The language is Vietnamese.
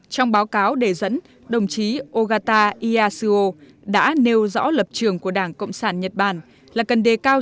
trong báo cáo đề dẫn đồng chí ogata iyashio đã nêu rõ lập trường của đảng cộng sản nhật bản là cần đề cao